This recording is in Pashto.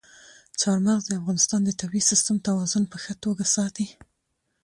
چار مغز د افغانستان د طبعي سیسټم توازن په ښه توګه ساتي.